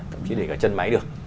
thậm chí để cả chân máy được